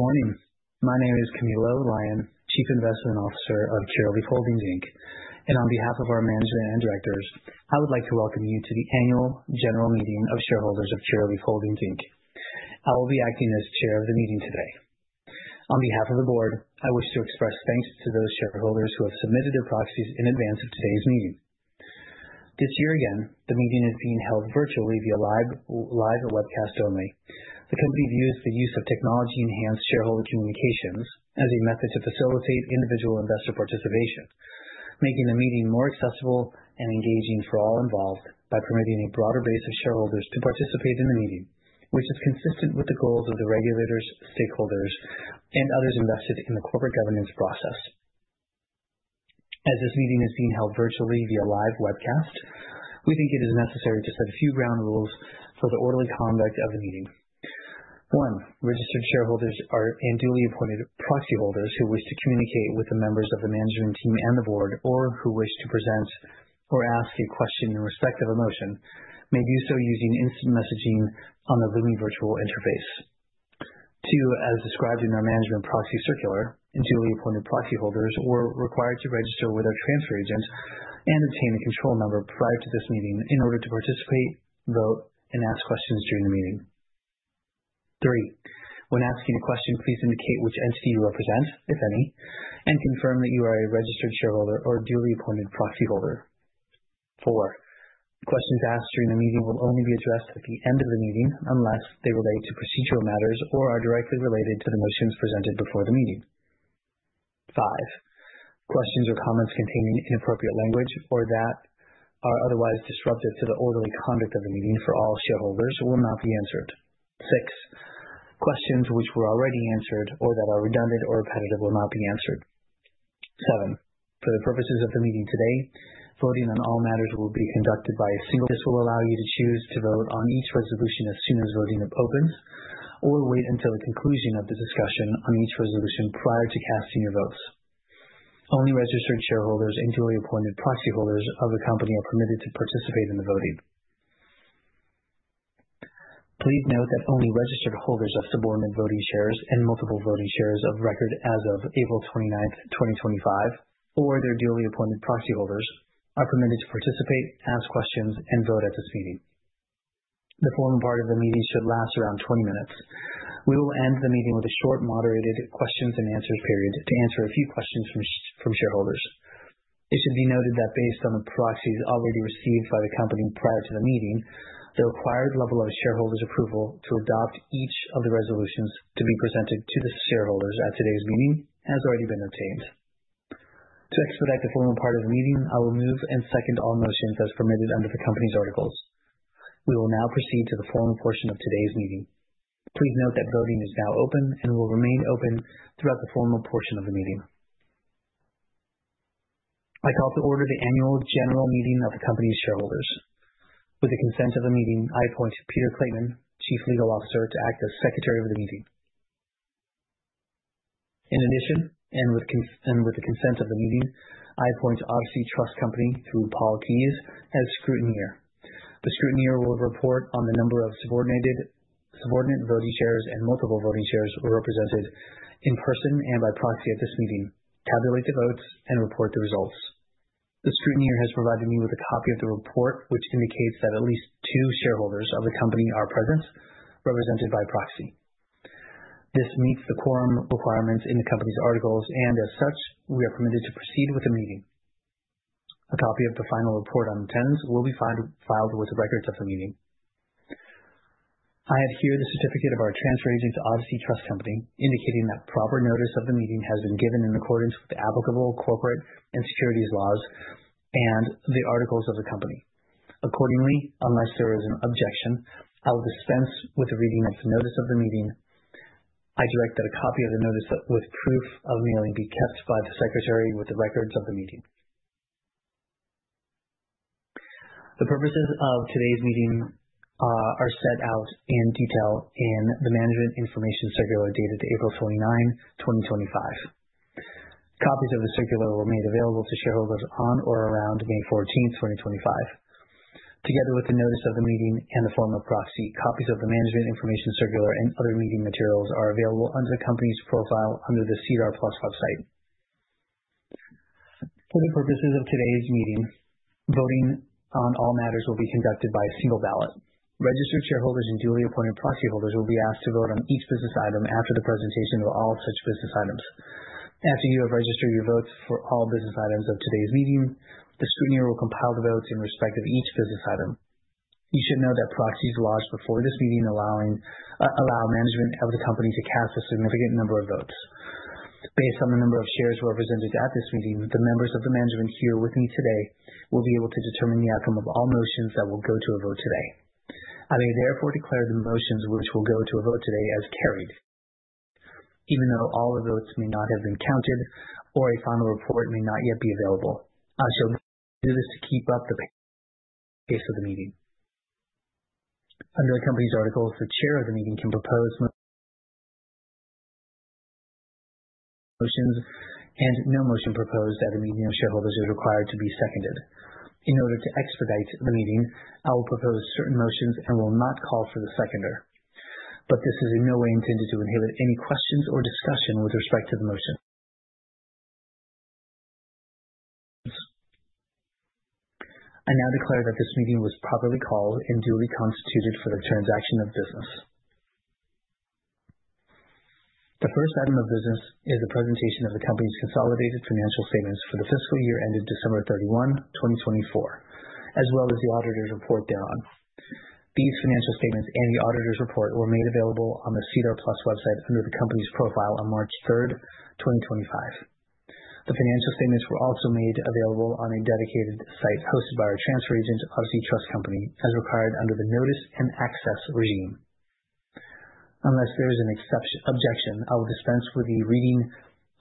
Good morning. My name is Camilo Lyon, Chief Investment Officer of Curaleaf Holdings Inc, and on behalf of our management and directors, I would like to welcome you to the annual general meeting of shareholders of Curaleaf Holdings Inc. I will be acting as chair of the meeting today. On behalf of the board, I wish to express thanks to those shareholders who have submitted their proxies in advance of today's meeting. This year again, the meeting is being held virtually via live and webcast only. The company views the use of technology-enhanced shareholder communications as a method to facilitate individual investor participation, making the meeting more accessible and engaging for all involved by permitting a broader base of shareholders to participate in the meeting, which is consistent with the goals of the regulators, stakeholders, and others invested in the corporate governance process. As this meeting is being held virtually via live webcast, we think it is necessary to set a few ground rules for the orderly conduct of the meeting. One, registered shareholders and duly appointed proxy holders who wish to communicate with the members of the management team and the board, or who wish to present or ask a question in respect of a motion, may do so using instant messaging on the Lumi virtual interface. Two, as described in our management proxy circular, duly appointed proxy holders were required to register with their transfer agent and obtain a control number prior to this meeting in order to participate, vote, and ask questions during the meeting. Three, when asking a question, please indicate which entity you represent, if any, and confirm that you are a registered shareholder or duly appointed proxy holder. Four, questions asked during the meeting will only be addressed at the end of the meeting unless they relate to procedural matters or are directly related to the motions presented before the meeting. Five, questions or comments containing inappropriate language or that are otherwise disruptive to the orderly conduct of the meeting for all shareholders will not be answered. Six, questions which were already answered or that are redundant or repetitive will not be answered. Seven, for the purposes of the meeting today, voting on all matters will be conducted by a single. This will allow you to choose to vote on each resolution as soon as voting opens or wait until the conclusion of the discussion on each resolution prior to casting your votes. Only registered shareholders and duly appointed proxy holders of the company are permitted to participate in the voting. Please note that only registered holders of subordinate voting shares and multiple voting shares of record as of April 29th, 2025, or their duly appointed proxy holders are permitted to participate, ask questions, and vote at this meeting. The formal part of the meeting should last around 20 minutes. We will end the meeting with a short moderated questions and answers period to answer a few questions from shareholders. It should be noted that based on the proxies already received by the company prior to the meeting, the required level of shareholders' approval to adopt each of the resolutions to be presented to the shareholders at today's meeting has already been obtained. To expedite the formal part of the meeting, I will move and second all motions as permitted under the company's articles. We will now proceed to the formal portion of today's meeting. Please note that voting is now open and will remain open throughout the formal portion of the meeting. I call to order the annual general meeting of the company's shareholders. With the consent of the meeting, I appoint Peter Clateman, Chief Legal Officer, to act as secretary of the meeting. In addition, and with the consent of the meeting, I appoint Odyssey Trust Company through Paul Keyes as scrutineer. The scrutineer will report on the number of subordinate voting shares and multiple voting shares represented in person and by proxy at this meeting, tabulate the votes, and report the results. The scrutineer has provided me with a copy of the report which indicates that at least two shareholders of the company are present, represented by proxy. This meets the quorum requirements in the company's articles, and as such, we are permitted to proceed with the meeting. A copy of the final report on attendance will be filed with records of the meeting. I refer to the certificate of our transfer agent to Odyssey Trust Company, indicating that proper notice of the meeting has been given in accordance with the applicable corporate and securities laws and the articles of the company. Accordingly, unless there is an objection, I will dispense with the reading of the notice of the meeting. I direct that a copy of the notice with proof of mailing be kept by the secretary with the records of the meeting. The purposes of today's meeting are set out in detail in the management information circular dated April 29, 2025. Copies of the circular were made available to shareholders on or around May 14th, 2025. Together with the notice of the meeting and the formal proxy, copies of the management information circular and other meeting materials are available under the company's profile under the SEDAR+ website. For the purposes of today's meeting, voting on all matters will be conducted by a single ballot. Registered shareholders and duly appointed proxy holders will be asked to vote on each business item after the presentation of all such business items. After you have registered your votes for all business items of today's meeting, the scrutineer will compile the votes in respect of each business item. You should know that proxies lodged before this meeting allow management of the company to cast a significant number of votes. Based on the number of shares represented at this meeting, the members of the management here with me today will be able to determine the outcome of all motions that will go to a vote today. I may therefore declare the motions which will go to a vote today as carried. Even though all the votes may not have been counted or a final report may not yet be available, I shall do this to keep up the pace of the meeting. Under the company's articles, the chair of the meeting can propose motions and no motion proposed at a meeting of shareholders is required to be seconded. In order to expedite the meeting, I will propose certain motions and will not call for the seconder, but this is in no way intended to inhibit any questions or discussion with respect to the motion. I now declare that this meeting was properly called and duly constituted for the transaction of business. The first item of business is the presentation of the company's consolidated financial statements for the fiscal year ended December 31, 2024, as well as the auditor's report thereon. These financial statements and the auditor's report were made available on the SEDAR+ website under the company's profile on March 3rd, 2025. The financial statements were also made available on a dedicated site hosted by our transfer agent, Odyssey Trust Company, as required under the notice and access regime. Unless there is an objection, I will dispense with the reading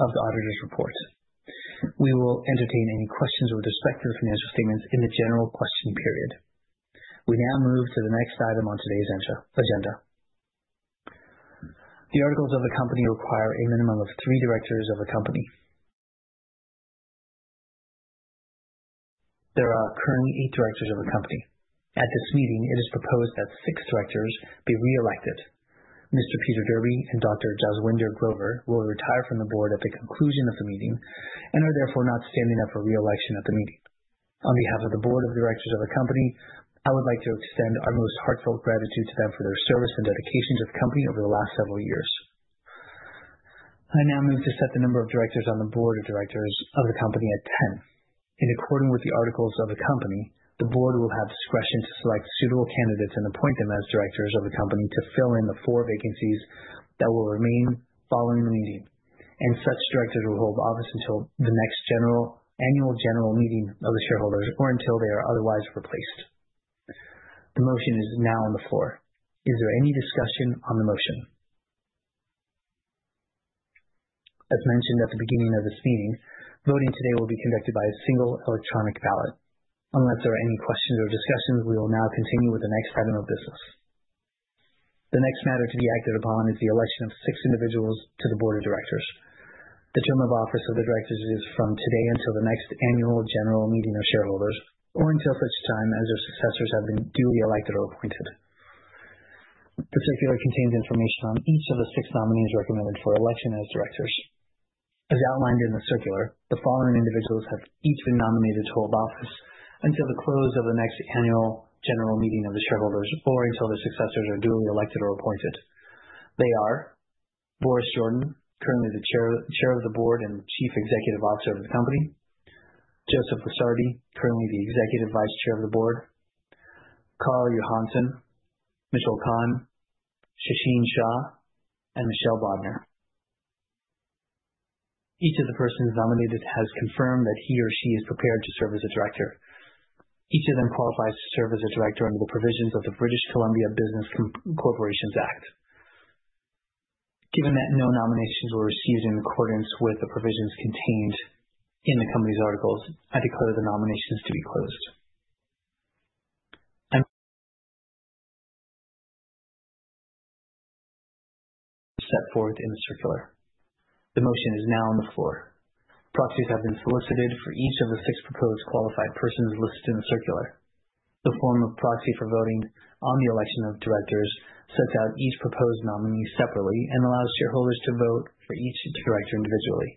of the auditor's report. We will entertain any questions with respect to the financial statements in the general question period. We now move to the next item on today's agenda. The articles of the company require a minimum of three directors of the company. There are currently eight directors of the company. At this meeting, it is proposed that six directors be re-elected. Mr. Peter Derby and Dr. Jaswinder Grover will retire from the board at the conclusion of the meeting and are therefore not standing for re-election at the meeting. On behalf of the board of directors of the company, I would like to extend our most heartfelt gratitude to them for their service and dedication to the company over the last several years. I now move to set the number of directors on the board of directors of the company at 10. In accordance with the articles of the company, the board will have discretion to select suitable candidates and appoint them as directors of the company to fill in the four vacancies that will remain following the meeting, and such directors will hold office until the next annual general meeting of the shareholders or until they are otherwise replaced. The motion is now on the floor. Is there any discussion on the motion? As mentioned at the beginning of this meeting, voting today will be conducted by a single electronic ballot. Unless there are any questions or discussions, we will now continue with the next item of business. The next matter to be acted upon is the election of six individuals to the board of directors. The term of office of the directors is from today until the next annual general meeting of shareholders or until such time as their successors have been duly elected or appointed. The circular contains information on each of the six nominees recommended for election as directors. As outlined in the circular, the following individuals have each been nominated to hold office until the close of the next annual general meeting of the shareholders or until their successors are duly elected or appointed. They are Boris Jordan, currently the Chair of the Board and Chief Executive Officer of the company, Joseph Lusardi, currently the Executive Vice Chair of the Board, Karl Johansson, Mitchell Kahn, Shasheen Shah, and Michelle Bodner. Each of the persons nominated has confirmed that he or she is prepared to serve as a director. Each of them qualifies to serve as a director under the provisions of the British Columbia Business Corporations Act. Given that no nominations were received in accordance with the provisions contained in the company's articles, I declare the nominations to be closed. As set forth in the circular. The motion is now on the floor. Proxies have been solicited for each of the six proposed qualified persons listed in the circular. The form of proxy for voting on the election of directors sets out each proposed nominee separately and allows shareholders to vote for each director individually.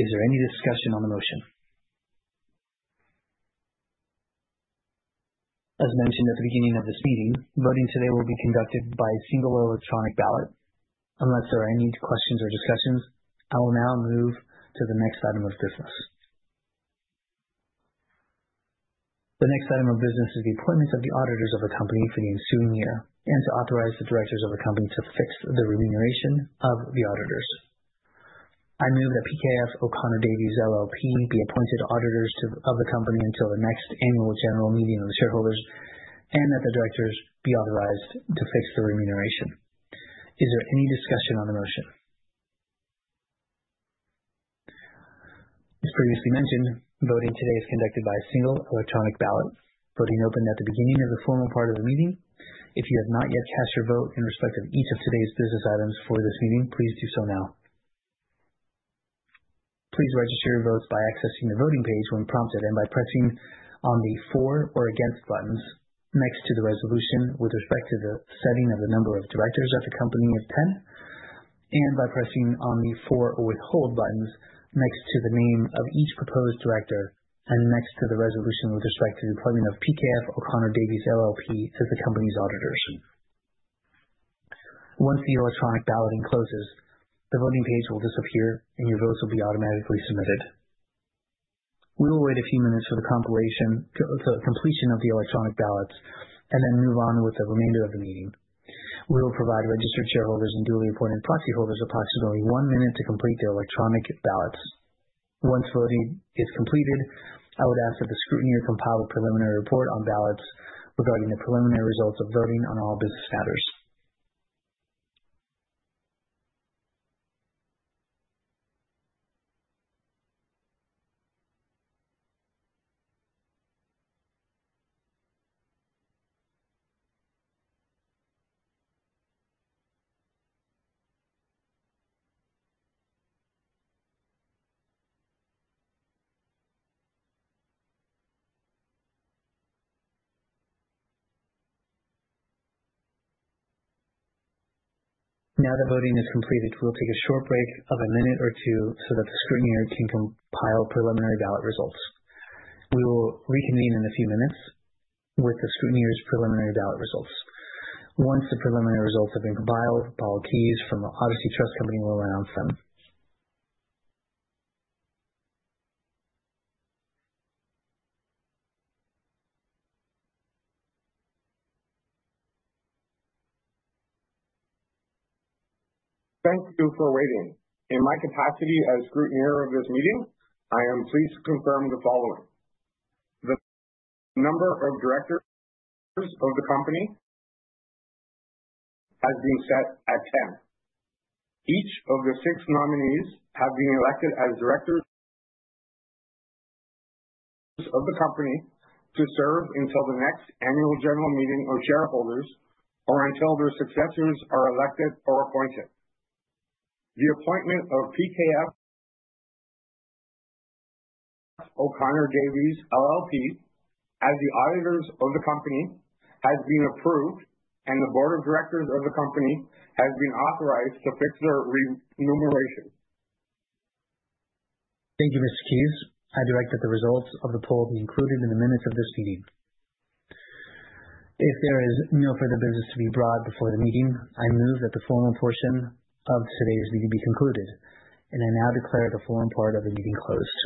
Is there any discussion on the motion? As mentioned at the beginning of this meeting, voting today will be conducted by a single electronic ballot. Unless there are any questions or discussions, I will now move to the next item of business. The next item of business is the appointment of the auditors of the company for the ensuing year and to authorize the directors of the company to fix the remuneration of the auditors. I move that PKF O'Connor Davies LLP, be appointed auditors of the company until the next annual general meeting of the shareholders and that the directors be authorized to fix the remuneration. Is there any discussion on the motion? As previously mentioned, voting today is conducted by a single electronic ballot. Voting opened at the beginning of the formal part of the meeting. If you have not yet cast your vote in respect of each of today's business items for this meeting, please do so now. Please register your votes by accessing the voting page when prompted and by pressing on the for or against buttons next to the resolution with respect to the setting of the number of directors of the company of 10, and by pressing on the for or withhold buttons next to the name of each proposed director and next to the resolution with respect to the appointment of PKF O'Connor Davies LLP, as the company's auditors. Once the electronic balloting closes, the voting page will disappear and your votes will be automatically submitted. We will wait a few minutes for the completion of the electronic ballots and then move on with the remainder of the meeting. We will provide registered shareholders and duly appointed proxy holders approximately one minute to complete their electronic ballots. Once voting is completed, I would ask that the scrutineer compile a preliminary report on ballots regarding the preliminary results of voting on all business matters. Now that voting is completed, we'll take a short break of a minute or two so that the scrutineer can compile preliminary ballot results. We will reconvene in a few minutes with the scrutineer's preliminary ballot results. Once the preliminary results have been compiled, Paul Keyes from Odyssey Trust Company will announce them. Thank you for waiting. In my capacity as scrutineer of this meeting, I am pleased to confirm the following: the number of directors of the company has been set at 10. Each of the six nominees have been elected as directors of the company to serve until the next annual general meeting of shareholders or until their successors are elected or appointed. The appointment of PKF O'Connor Davies LLP, as the auditors of the company has been approved, and the board of directors of the company has been authorized to fix their remuneration. Thank you, Mr. Keys. I direct that the results of the poll be included in the minutes of this meeting. If there is no further business to be brought before the meeting, I move that the formal portion of today's meeting be concluded, and I now declare the formal part of the meeting closed.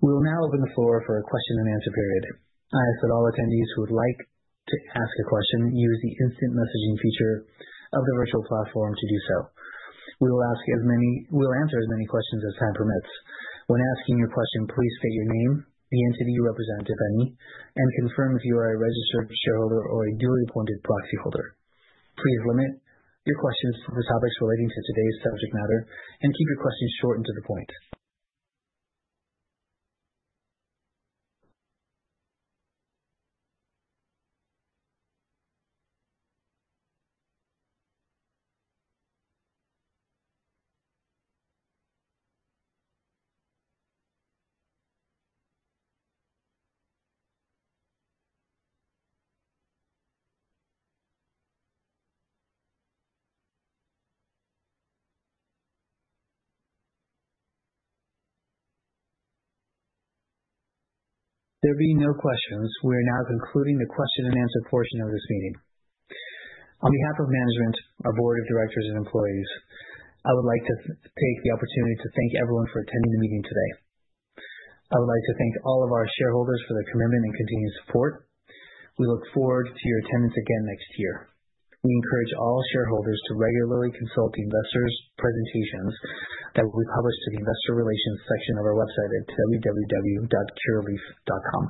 We will now open the floor for a question and answer period. I ask that all attendees who would like to ask a question use the instant messaging feature of the virtual platform to do so. We will answer as many questions as time permits. When asking your question, please state your name, the entity you represent, if any, and confirm if you are a registered shareholder or a duly appointed proxy holder. Please limit your questions to the topics relating to today's subject matter and keep your questions short and to the point. There being no questions, we are now concluding the question and answer portion of this meeting. On behalf of management, our board of directors and employees, I would like to take the opportunity to thank everyone for attending the meeting today. I would like to thank all of our shareholders for their commitment and continued support. We look forward to your attendance again next year. We encourage all shareholders to regularly consult investors' presentations that will be published to the investor relations section of our website at www.curaleaf.com.